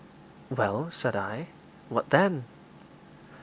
'Well,' said I, 'what then?'